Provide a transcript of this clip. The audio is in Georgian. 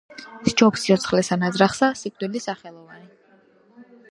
სჯობს სიცოცხლესა ნაძრახსა სიკვდილი სახელოვანი